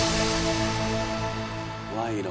賄賂。